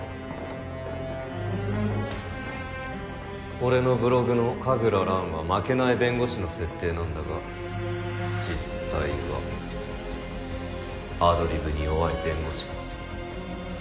俺のブログの神楽蘭は負けない弁護士の設定なんだが実際はアドリブに弱い弁護士か。